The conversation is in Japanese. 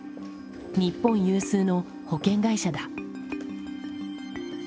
日本有数の保険会社だ。